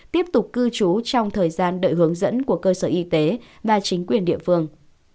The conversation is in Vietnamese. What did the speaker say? tiếp tục cư trú trong thời gian đợi hướng dẫn của cơ sở y tế và chính quyền địa phương